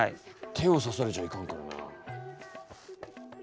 手を刺されちゃいかんからな。